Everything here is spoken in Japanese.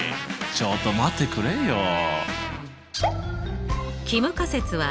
ちょっと待ってくれよ。